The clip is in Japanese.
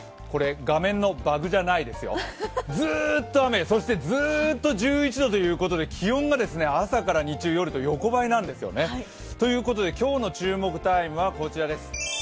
画面のバグじゃないですよずっと雨、そしてずーっと１１度ということで、気温が朝から日中、夜と横ばいなんですよね。ということで今日の注目タイムはこちらです。